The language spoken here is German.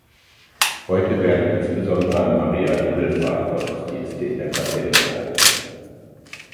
Heute werden insbesondere an Maria Himmelfahrt Gottesdienste in der Kapelle gehalten.